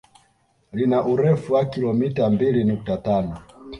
Lina urefu wa kilomita mbili nukta tano